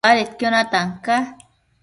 Badedquio natan ca